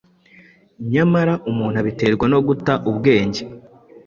nyamara umuntu abiterwa no guta ubwenge,